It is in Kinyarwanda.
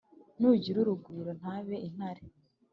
Ni ugira urugwiro ntabe intare